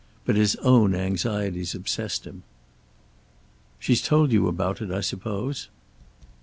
But his own anxieties obsessed him. "She's told you about it, I suppose?"